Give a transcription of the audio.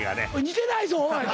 似てないぞおい！